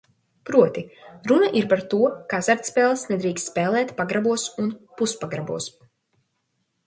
Proti, runa ir par to, ka azartspēles nedrīkst spēlēt pagrabos un puspagrabos.